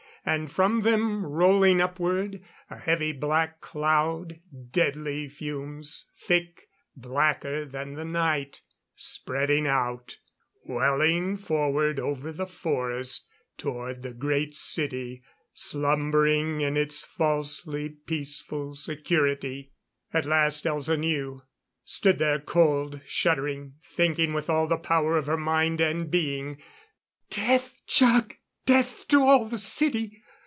And from them, rolling upward, a heavy black cloud deadly fumes thick, blacker than the night, spreading out, welling forward over the forest toward the Great City slumbering in its falsely peaceful security. At last Elza knew. Stood there, cold, shuddering, thinking with all the power of her mind and being: _"Death, Jac! Death to all the City!